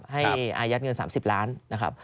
ให้อายัดเงิน๓๐ล้านนะครับ